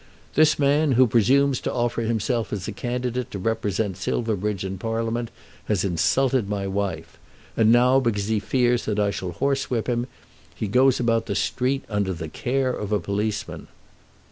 "This man who presumes to offer himself as a candidate to represent Silverbridge in Parliament has insulted my wife. And now, because he fears that I shall horsewhip him, he goes about the street under the care of a policeman."